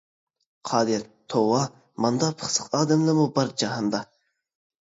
قادىر: توۋا، ماندا پىخسىق ئادەملىمۇ بار جاھاندا.